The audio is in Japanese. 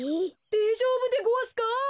でえじょうぶでごわすか？